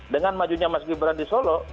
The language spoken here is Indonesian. dengan majunya mas gibran di solo